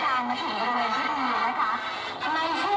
ก็จะมีการพิพากษ์ก่อนก็มีเอ็กซ์สุขก่อน